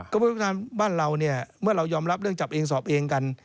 ก็ประธานบ้านเราเนี่ยเมื่อเรายอมรับเรื่องจับเองสอบเองกัน